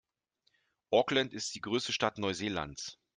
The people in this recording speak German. Auckland ist die größte Stadt Neuseelands.